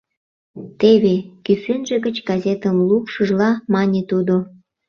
— Теве! — кӱсенже гыч газетым лукшыжла, мане тудо.